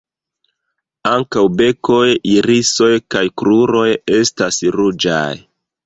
Ankaŭ bekoj, irisoj kaj kruroj estas ruĝaj.